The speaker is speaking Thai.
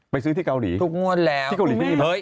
ไปซื้อที่เกาหลีถูกงวดแล้วที่เกาหลีที่เกาหลีคุณแม่